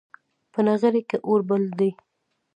په نغري کې اور بل دی